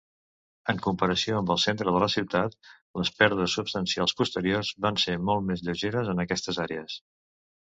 En comparació amb el centre de la ciutat, les pèrdues substancials posteriors van ser molt més lleugeres en aquestes àrees.